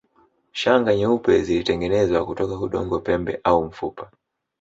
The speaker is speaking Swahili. Shanga nyeupe zilitengenezwa kutoka udongo pembe au mfupa